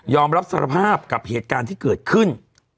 อมรับสารภาพกับเหตุการณ์ที่เกิดขึ้น